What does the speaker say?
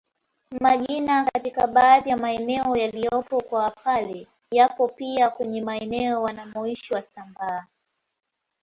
Majina katika baadhi ya maeneo yaliyopo kwa Wapare yapo pia kwenye maeneo wanamoishi wasambaa